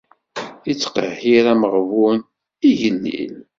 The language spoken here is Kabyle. Ittqehhir ameɣbun, igellil.